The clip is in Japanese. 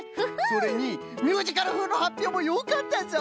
それにミュージカルふうのはっぴょうもよかったぞ！